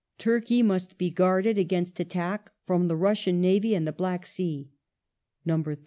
Turkey must be guarded against attack from the Russian navy in the Black Sea ; 3.